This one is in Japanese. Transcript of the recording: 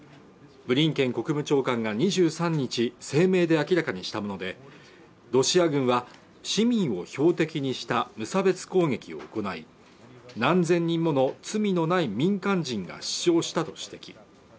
ブリンケン国務長官が２３日声明で明らかにしたものでロシア軍は市民を標的にした無差別攻撃を行い何千人もの罪のない民間人が死傷したと指摘